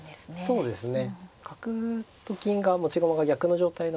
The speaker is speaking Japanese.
そうですね。